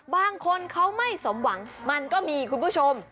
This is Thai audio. บางคนเขาไม่สมหวังมันก็มีคุณผู้ชม